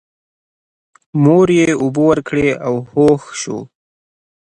مور یې اوبه ورکړې او هوښ شو.